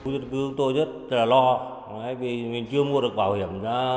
cư dân của tôi rất lo vì mình chưa mua được bảo hiểm